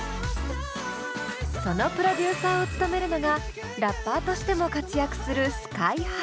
そのプロデューサーを務めるのがラッパーとしても活躍するＳＫＹ−ＨＩ。